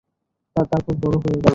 তারপর বড় হয়ে গেলে।